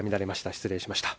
失礼しました。